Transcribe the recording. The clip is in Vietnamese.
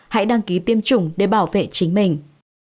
hãy đăng ký tiêm chủng để bảo vệ chính mình